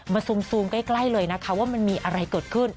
ซูมใกล้เลยนะคะว่ามันมีอะไรเกิดขึ้น